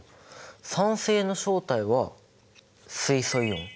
酸性の正体は水素イオン。